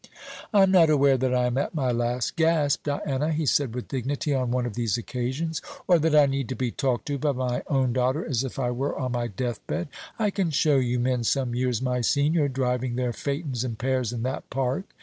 "I am not aware that I am at my last gasp, Diana," he said with dignity, on one of these occasions; "or that I need to be talked to by my own daughter as if I were on my deathbed. I can show you men some years my senior driving their phætons and pairs in that Park.